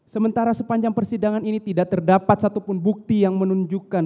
sementara sepanjang persidangan ini tidak terdapat satupun bukti yang menunjukkan